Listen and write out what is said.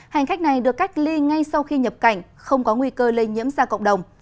hành khách này được cách ly ngay sau khi nhập cảnh không có nguy cơ lây nhiễm ra cộng đồng